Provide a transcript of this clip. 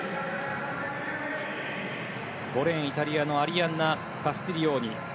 ５レーン、イタリアのアリアンナ・カスティリオーニ。